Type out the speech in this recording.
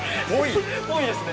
っぽいですね。